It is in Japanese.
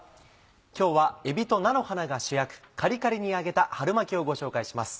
今日はえびと菜の花が主役カリカリに揚げた春巻きをご紹介します。